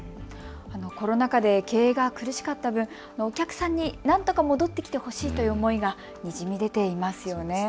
コロナ禍で経営が苦しかった分、お客さんになんとか戻ってきてほしいという思いがにじみ出ていますよね。